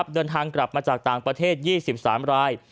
เดินทางกลับมาจากต่างประเทศ๒๓ราย